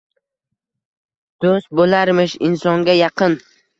Do’st bo’larmish insonga yaqin.